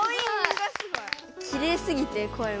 きれいすぎて声も。